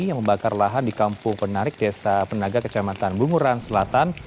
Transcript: yang membakar lahan di kampung penarik desa penaga kecamatan bunguran selatan